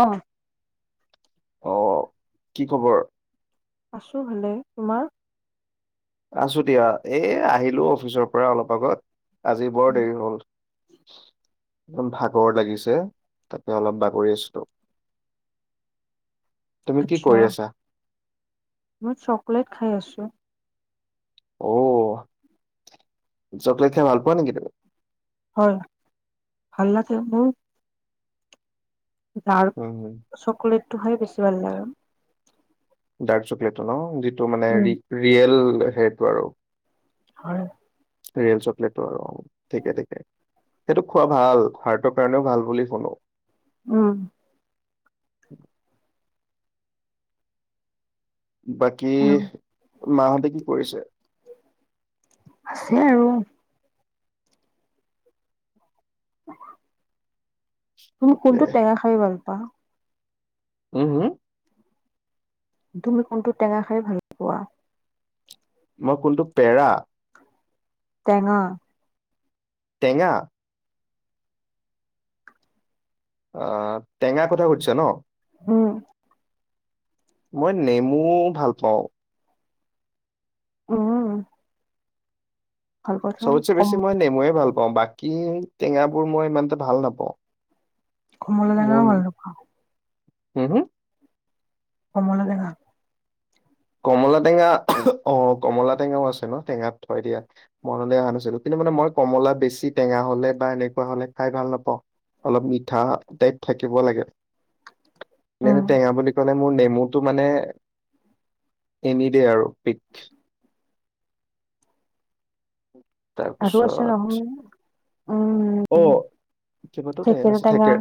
অহ' অহ' কি খবৰ? আছোঁ ভালে, তোমাৰ? আছোঁ দিয়া, এই আহিলোঁ অফিচৰ পৰা অলপ আগত। আজি বৰ দেৰি হ'ল। ইমান ভাগৰ লাগিছে, তাতে অলপ বাগৰি আছোঁ। তুমি কি আচ্ছা। কৰি আছা? মই চকলেট খাই আছোঁ। অ' চকলেট খাই ভাল পোৱা নেকি তুমি? হয়, ভাল লাগে মোৰ। Dark, um, chocolate. হেইটো হয় বিচৰা যায় আৰু ডাৰ্ক চকলেট টোৰ ন যিতু টো মানে উম, ৰি ৰিয়েল। সেইটো আৰু। হয়। ৰিয়েল চকলেটটো আৰু অ' ঠিকে ঠিকে, সেইটো খোৱা ভাল হাৰ্টৰ কাৰণেও ভাল বুলি শুনো। উম। [unintelligible] বাকী আৰু মাহঁতে কি কৰিছে? আছে আৰু। [inaudible] তুমি ঠিকে কোনটো টেঙা খাই ভাল [unintelligible] উম হম। তুমি কোনটো টেঙা খাই ভাল পোৱা। মই কোনটো পেৰা। টেঙা। টেঙা। অ টেঙা কথা খুদিছা ন। উম। মই নেমু ভাল পাওঁ। অ। সবতচে বেছি মই নেমুয়ে ভাল পাও বাকী, টেঙাবোৰ মই ইমানটা ভাল নাপাওঁ। কমলা টেঙা [unintelligible] হু - হু? কমলাটেঙা। কমলা টেঙা অ, কমলা টেঙাও আছে ন' টেঙাত থয় দিয়া মনলৈ অহা নাছিল কিন্তু মানে মই কমলা বেছি টেঙা হলে বা এনেকুৱা হলে খাই ভাল নাপাওঁ অলপ মিঠা টাইপ থাকিব লাগে। উম, [unintelligible] টেঙা বুলি ক নে মোৰ নেমুটো মানে এনি দে আৰু। পিক। [inaudible] আৰু আছে তাৰপিছত নহয়, উম, অ', কিবাতাও টেঙা আছে থেকেৰ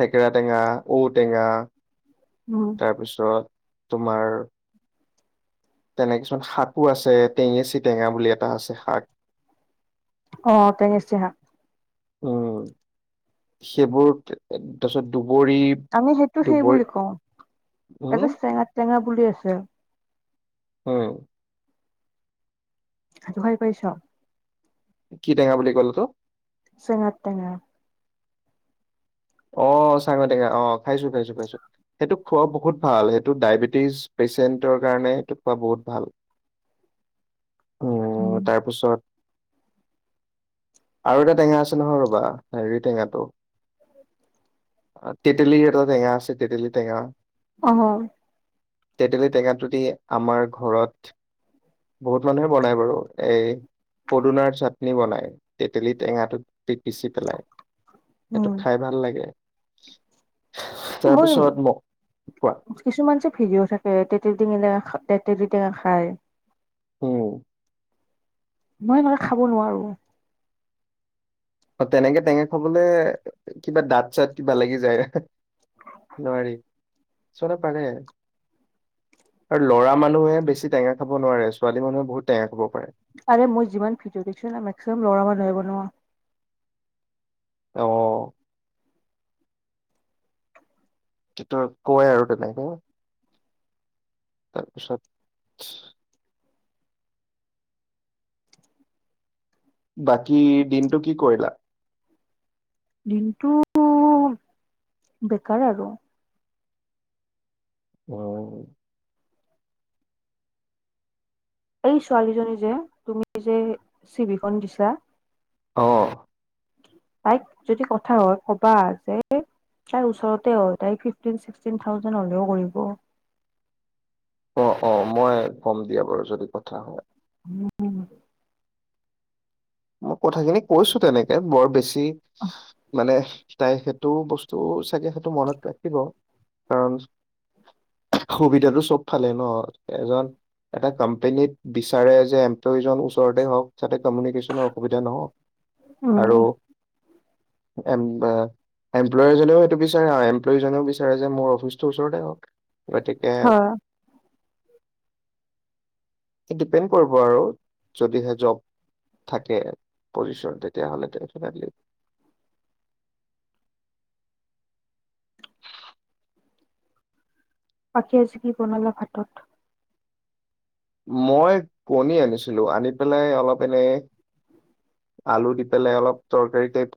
থেকেৰা টেঙা ঔটেঙা। উম। তাৰ পিছত তোমাৰ তেনে কিছুমান শাকো আছে, টেঙেচি টেঙা বুলি এটা আছে শাক। অ, টেঙেচি শাক। উম, সেইবোৰ তাৰ পিছত দু আমি সেইটো সেই বুলি কওঁ এটো উম চেঙা টেঙা বুলি আছে। উম। [unintelligible] কৰিছ? কি টেঙা বুলি ক'লে তো? [unintelligible] টেঙা। অ' চাঙৈ টেঙা, অ' খাইছো খাইছো খাইছো সেইটো খোৱা বহুত ভাল সেইটো ডায়েবেটিছ পেচেণ্টৰ কাৰণে সেইটো খোৱা বহুত ভাল। উম, তাৰপিছত? আৰু এটা টেঙা আছে নহয় ৰ'বা হেৰি টেঙাটো তেতেলী এটা টেঙা আছে তেতেলী টেঙা। অঁ। তেতেলী টেঙাটোদি আমাৰ ঘৰত বহুত মানুহে বনায় বাৰু এ, পদিনাৰ চাটনি বনাই তেতেলী টেঙাটোত। [unintelligible] উম এটো। খাই ভাল লাগে। [unintelligible] তাৰপিছত [unintelligible] ম কোৱা কিছুমান যে ভিদিও থাকে তেতিয়া [unintelligible] টেঙা খায়। অ, মই বাৰু খাব নোৱাৰো। অ, তেনেকে টেঙা খাবলে কিবা দাঁত-চাত কিবা লাগি যায় নোৱাৰি ছোৱালী পাৰে আৰু লৰা মানুহে বেছি টেঙা খাব নোৱাৰে ছোৱালী মানুহে বহুত টেঙা খাব পাৰে। আৰে মই যিমান ভিডিঅ' দেখিছো ন' মেক্সিমাম লৰা মানুহে বনোৱা। অ', [unintelligible] কয় আৰু তেনেকে। তাৰপিছত। বাকী দিনটো কি কৰিলা? দিনটো বেকাৰ আৰু। অ। এই ছোৱালীজনী যে তুমি যে চিভিখন দিছা। অ। তাইক যদি কথা হয় ক'বা যে তাইৰ ওচৰতে হয় তাই ফিফটিন ছিক্সটিন থাউজেণ্ড হ'লেও কৰিব। অ, অ, মই ক'ম দিয়া বাৰু যদি কথা হয়। উম। অ', কথাখিনি কৈছো তেনেকে, বৰ বেছ তি, মানে তাই সেইটো বস্তু চাগে সেইটো মনত ৰাখিব। কাৰণ সুবিধাটো চব ভালে ন, এজন এটা ক'ম্পেনীত বিচাৰে যে এমপ্লয়জন ওচৰতে হওঁক, যাতে কামিউনিকে কোনো অসুবিধা নহওঁক আৰু উম এম এ, এমপ্লয়জনেও সেইটো বিচাৰে, হা এমপ্লয়জনেও বিচাৰে যে মোৰ অফিচটো ওচৰতে হওঁক। গতিকে হয় ডিপেণ্ড কৰিব আৰু যদিহে জব থাকে পজিচন, তেতিয়া হ'লে তেনেকে পাখী আজি কি বনালে ভাতত? মই কণী আনিছিলো, আনি পেলাই অলপ এনে আলু দি পেলাই অলপ তৰকাৰী টাইপ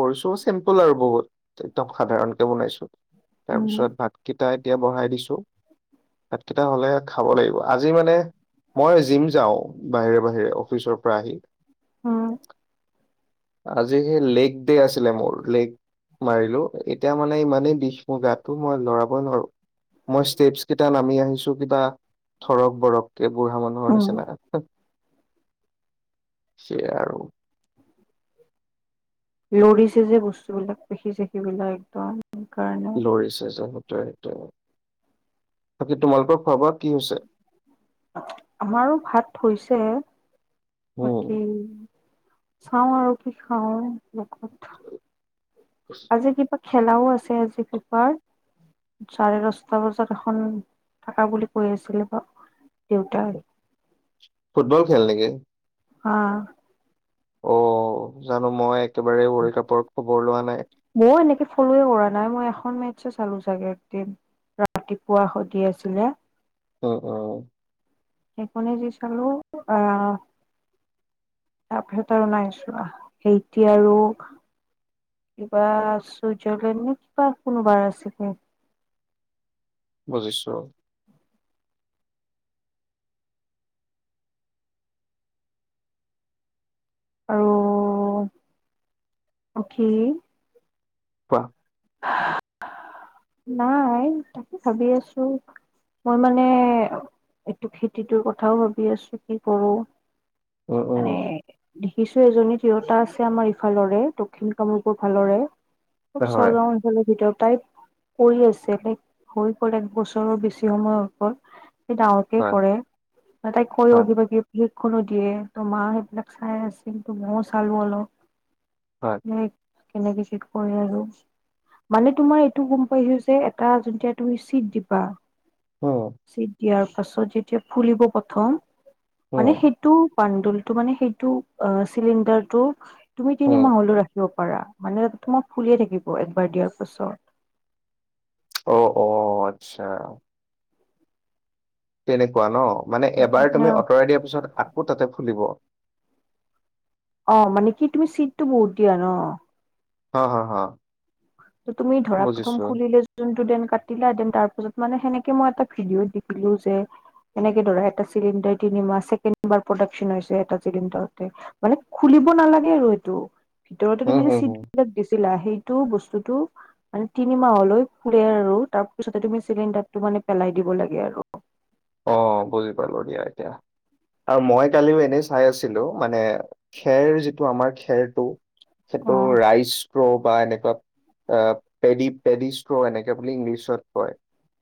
কৰিছোঁ, চিম্পুল আৰু বহুত একদম সাধাৰণকে বনাইছো। তাৰ উম পিছত ভাতকেইটাই তিয়া বহাই দিছো, ভাতকেইটা হ'লেহে খাব লাগিব। আজ আজি মানে মই জিম যাওঁ বাহিৰে বাহিৰে, অফিচৰ পৰা আহি। হুম। আজি সেই লেগ ডে আছিলে মোৰ, লেগ মাৰিলো, এতিয়া মানে ইমানেই বিষ মোৰ গাটো মই লৰাবই নোৱাৰো, মই ষ্টেপচ কেইটা নামি আহিছো কিবা থৰক-বৰক কে, বুঢ়া মানুহৰ উম নিচিনা। সেয়ে আৰু। লৰিছে যে বস্তুবিলাক, পেখি-ছেখি বিলাক একদম। সেইকাৰণে লৰিছে যে, সেটোয়েই। তে, বাকী তোমালোকৰ খোৱা-বোৱা আমাৰো ভাত হৈছে। উম বাকী চাওঁ আৰু কি খাওঁ। [unintelligible] আজি কিবা খেলাও আছ ছে আজি ফিফাৰ, চাৰে দশটা বজাত এখন থাকা বুলি কৈ আছিলে দেউতাই। ফুটবল খেল নেকি? অহ। অ', জানো মই একেবাৰে ৱৰ্ল্ড কাপৰ খবৰ লোৱা নাই। ময়ো এনেকে ফলোয়ে কৰা নাই, মই এখন মেত চে চালো চাগে একদিন, ৰাতিপুৱা সধি আছিলে। উ, উম। সেইখনে যি চালো, আহ তাৰপিছত আৰু নাই চোৱা সেইতি আৰু কিবা চুইজাৰলেণ্ড নে কিবা কোনোবাৰ আছিলে। বুজিছোঁ। আৰু পখী কোৱা নাই তাকে ভাবি আছো মই মানে এইটো খেতিটোৰ কথাও ভাবি আছো কি কৰো? উম, মানে উম, দেখিছো এজনী তিয়োতা আছে আমাৰ ইফালৰে দক্ষিণ কামৰূপৰ ফালৰে। হয়, ভিতৰত তাই কৰি আছে তাইক হৈ গ'ল এক বছৰৰ বেছি সময় হৈ গল। ডাঙৰকে হয়, কৰে তাইক অ হয়, কিবা কিবি কোনো দিয়ে তমা সেইবিলাক চাই আছিল তো মইও চালো হয়। অলপ। উম। কেনেকে চিট কৰি আৰু। মানে তোমাৰ এইটো গম পাইছো যে এটা যেতিয়া তুমি ছিট দিবা। উম, ছিট দিয়াৰ পাছত যেতিয়া ফুলিব প্ৰথম। মানে উম, সেইটো। পাণ্ডুলটো মানে সেইটো চিলিণ্ডাৰটো তুমি তিনি উম, মাহলও ৰাখিব পাৰা, মানে তোমা ফুলিয়ে থাকিব। একবাৰ দিয়াৰ পাছত। অ, অ আচ্ছা। তেনেকুৱা ন। মানে এবাৰ অ তুমি আঁতৰাই দিয়াৰ পিছত আকৌ তাতে ফুলিব। অ মানে কি তুমি চিটটো বহুত দিয়া ন। অ, হ হ। তুমি ধৰা প্ৰথম ফুলিলে যোনটো দেন কাটিলা দেন তাৰ পাছত। মানে সেনেকে মই এটা ভিডিঅ'ত দেখিলো যে এনেকে ধৰা এটা চিলিণ্ডাৰ তিনিমাহ ছেকেবাৰ প্ৰডাকচন হৈছে এটা চিলিণ্ডাৰতে, মানে খুলিব নালাগে আৰু এইটো। ভিতৰতে হম, তুমি যে হম, হম, চিতবিলাক দিছিলা। সেইটো বচ স্তুটো মানে তিনিমাহলৈ ফুৰে আৰু তাৰ পিছতে তুমি চিলিণ্ডাৰটো মানে পেলাই দিব লাগে আৰু। অ বুজি পালো দিয়া এতিয়া আৰু মই কালিও এনেই চাই আছিলো মানে খেৰ যিটো আমাৰ খেৰটো সেইটো অ ৰাইচ প্ৰ বা এনেকুৱা পে পেডি্ষ্ট এনেকে বুলি ইংলিছত কয়।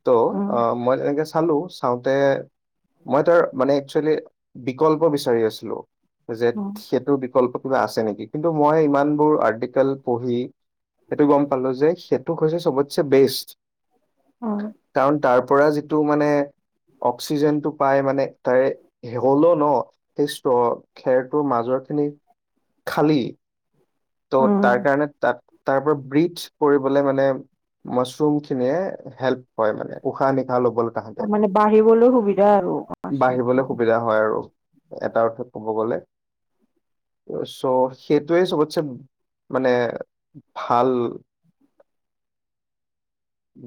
ত, অ উম মই হালোচ- চাওঁতে মই তাৰ মানে একচুৱেলি বিকল্প বিচাৰি আছিলো। জেদ উম সেইটোৰ বিকল্প। কিবা আছে নেকি কিন্তু মই ইমানবোৰ আৰ্টিকেল পঢ়ি সেইটো গম পালো যে সেইটো হৈছে সবচেবেষ্ট। উম কাৰণ তাৰ পৰা যিটো মানে। অক্সিজেনটো পাই মানে তাৰে হলে ন সেই স্তৰ খেৰটোৰ মাজৰ খিনি খালী। ত' তাৰ উম কাৰণে তাত তাৰ পৰা ব্ৰিড পৰিবলে মানে মাছৰুম খিনিয়ে হেল্প হয় মানে উশাহ নিশাহ লবলৈ অ', তাহাঁতে মানে বাঢ়িবলৈ সুবিধা আৰু মাচৰুমটো বাঢ়িবলৈ সুবিধা হয় আৰু এটা অৰ্থত ক'ব গলে চ' সেইটোৱে চবতচে মানে ভাল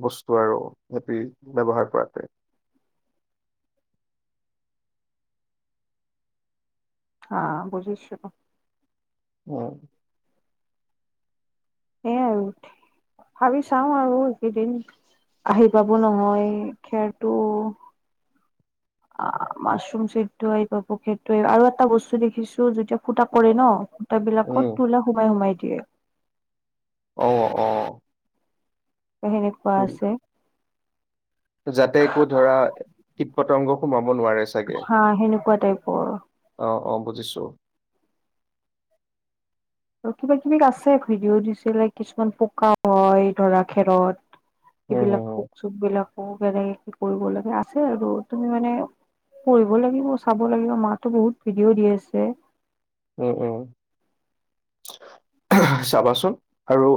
বস্তু আৰু সহঁতি ব্যৱহাৰ কৰাটোৱে হা বুজিছো উম সেইয়াই আৰু ভাবি চাও আৰু এইকেইদিন আহি পাব নহয় খেৰটো অ মাছৰুম চেড এইটো আহিব পকেটে আৰু এটা বস্তু দেখিছো যেতিয়া ফুটা কৰে ন উম তবিলাকত তো সোমাই সোমাই এিয়ে অ অ সেনেকুৱা তো- আছে যাতে একো ধৰা কীট পতংগ সোমাব নোৱাৰে চাগে হা সেনকোৱা টাইপৰ। অ অ বুজিছো। আৰু কিবা কিবি আছে ভিডিঅ' দিছিলে কিছুমান পকাও হয় ধৰা খেৰত। উম হম এইবিলাক হম পোক চোক বিলাক। কেনেকে কি কৰিব লাগে আছে আৰু তুমি মানে পঢ়িব লাগিব চাব লাগিব মাতো বহুত ভিডিঅ' দি আছে। উম উম, চাবাচোন আৰু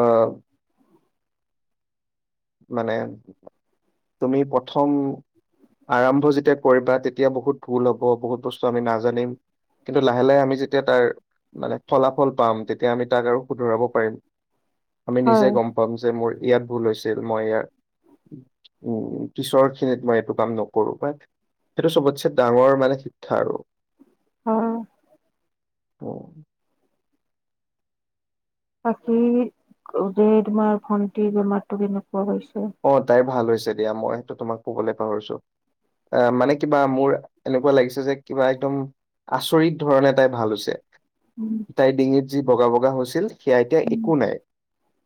অহ মানে তুমি প্ৰথম আৰম্ভ যেতিয়া কৰিবা তেতিয়া বহুত ভুল হ'ব, বহুত বস্তু আমি নাজানিম কিন্তু লাহে লাহে আমি যেতিয়া তাৰ মানে ফলাফল পাম তেতিয়া আমি তাক আৰু শুধৰাব পাৰিম। আমি নিজে হয় গম পাম যে মোৰ ইয়াত ভুল হৈছে ছিল মই ইয়াৰ উম পিছৰ খিনিত মই এইটো কাম নকৰো, বা সেইটো চবতছে ডাঙৰ মানে শিক্ষা আৰু। অঁ। উম। বাকি যে তোমাৰ ভণ্টি বেমাৰটো কেনে অ তাইৰ ভাল হৈছে। দিয়া মই সেইটো তোমাক কৰিলে পাহৰিছো, আহ মানে কিবা মোৰ এনেকুৱা লাগিছে যে কিবা একদম আচৰিত ধৰণে তাই ভাল হৈছে। উম তাই ডিঙিত যি বগা বগা হৈছ ছিল সেয়া এতিয়া উম, একো নাই,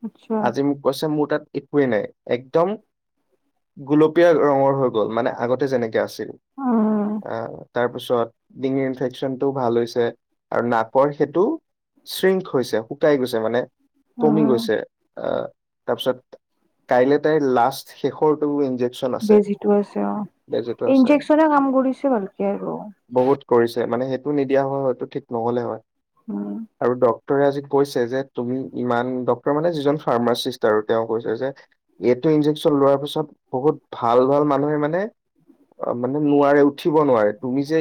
আচ্ছা আজি মোক কৈছে মোৰ তাত একোৱেই নাই! একদম গলপীয়া ৰঙৰ হৈ গ'ল মানে আগতে যেনেকে আছে। অঁ উম, তাৰ তাৰপিছত ডিঙিৰ ইনফেকচন টোও ভাল হৈছে আৰু নাপৰ সেইটো শ্ৰিংক হৈছে শুকাই গৈছে মানে কমি উম, গৈছে আহ তাৰপিছত কাইলৈ তাইৰ লাষ্ট শেষৰটো ইনজেকচন আছে বেজিটো আছে অ যিটো আছে ইনজেকচনে কাম কৰিছে ভালকে আৰু। বহুত কৰিছে মানে সেইটো নিদিয়া হয় হয়তটো ঠিক নহলে হয়। উম, আৰু দ। ডক্টৰে আজি কৈছে যে তুমি ইমান ডক্টৰ মানে যিজন ফাৰ্মাচিষ্ট আৰু তেওঁ কৈছে যে এইটো ইন্জেকচন লোৱাৰ পিছত বহুত ভাল ভাল মানুহে মানে অ মানে নোৱাৰে। উঠিব নোৱাৰে তুমি যে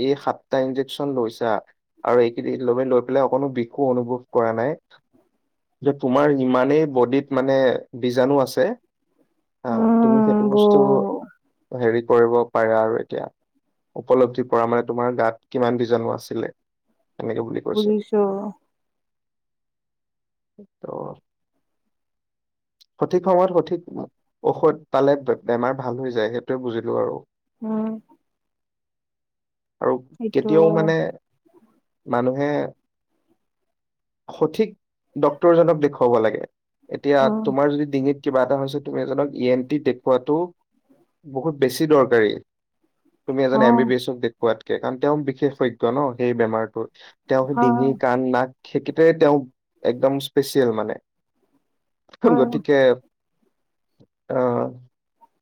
এই সাত টা ইনজেকচন লৈছা আৰু এইকেই ল লৈ পেলাই অকো বিষো অনুভৱ কৰা নাই তোমাৰ ইমানেই বডিত মানে বীজাণু আছে। আছে। অ, ' তুমি সেইটো উম, ব বস্তু হেৰিত। পৰিব পাৰে আৰু এতিয়া উপলব্ধি পৰা মানে তোমাৰ গাত কিমান বীজাণু আছিলে। এনেকে বুলি কৈছে শুনিছো। ত'। সঠিক সময়ত সঠিক ঔষধ পালে বেমাৰ ভাল হৈ যায় সেইটোৱে বুজিলো আৰু। উম। আৰু সেইটো কেতিয়াও মানে মানুহ হে। সঠিক ডক্তৰজনক দেখুৱাব লাগে। এতিয়া উম, তোমাৰ যদি ডিঙিত কিবা এটা হৈছে তুমি এজনক ই এন টি দেখুৱো বহুত বেছি দৰকাৰী। তুমি এজন অ, এম বি এছ ক দেখোওৱা। হোৱাতকে কাৰণ তেওঁ বিশেষজ্ঞ ন সেই বেমাৰটো। তেওঁ সেই ডিঙি হয়, কাণ নাক সেইকেইটৰে তেওঁ একদম স্পেচিয়েল মানে। হয়। গতিকে আহ।